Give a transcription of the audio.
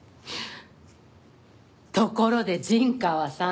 ところで陣川さん。